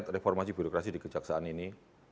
reformasi birokrasi di kejaksaan ini